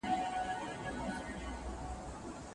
د خدای د بُتپرستو د شرابو ميکده ده